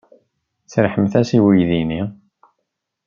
Serrḥemt-as i uydi-nni.